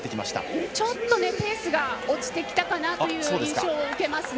ちょっとペースが落ちてきたかなという印象を受けます。